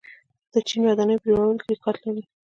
چین د ودانیو په جوړولو کې ریکارډ لري.